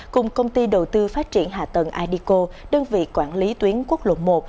cùng công ty đầu tư phát triển hạ tầng ideco đơn vị quản lý tuyến quốc lộ một